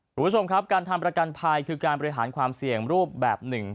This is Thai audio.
คุณผู้ชมครับการทำประกันภัยคือการบริหารความเสี่ยงรูปแบบหนึ่ง